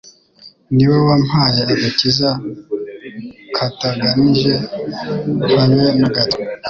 niwe wampaye agakiza kataganije habe nagato